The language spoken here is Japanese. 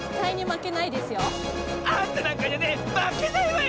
あんたなんかにはねまけないわよ！